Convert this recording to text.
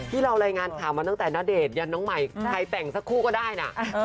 ที่เรารายงานข่าวมาตั้งแต่ณเดชนยันน้องใหม่ใครแต่งสักคู่ก็ได้นะ